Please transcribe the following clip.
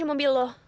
dan itu aku bergala